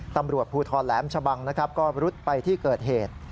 ตำรวจภูทรแหลมชะบังนะครับก็รุดไปที่เกิดเหตุ